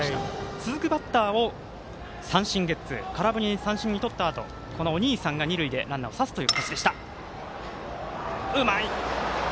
続くバッターを三振ゲッツー空振りで三振をとったあとお兄さんが二塁でランナーを刺すという形がありました。